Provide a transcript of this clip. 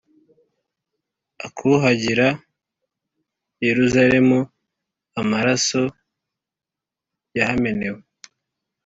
akuhagira Yeruzalemu amaraso yahamenewe,